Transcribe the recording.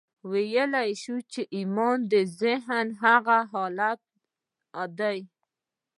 ويلای شو چې ايمان د ذهن هغه حالت دی.